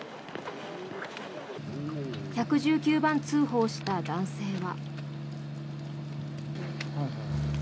１１９番通報した男性は。